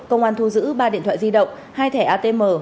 công an thu giữ ba điện thoại di động hai thẻ atm